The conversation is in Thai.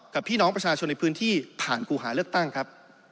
กับพี่น้องประชาชนในพื้นที่ผ่านกูหาเลือกตั้งครับ